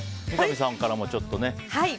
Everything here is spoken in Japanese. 三上さんからもちょっとね。